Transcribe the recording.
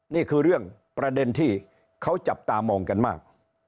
นี่คือเรื่องประเด็นที่เขาจับตามองกันมาก